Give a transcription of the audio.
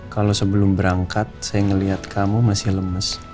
kalau sebelum berangkat saya melihat kamu masih lemes